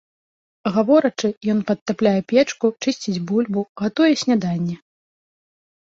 Гаворачы, ён падтапляе печку, чысціць бульбу, гатуе сняданне.